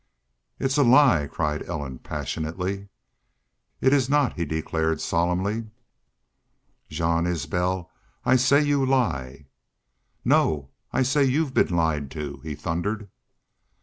"It's a lie," cried Ellen, passionately. "It is not," he declared, solemnly. "Jean Isbel, I say y'u lie!" "No! I say you've been lied to," he thundered.